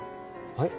はい？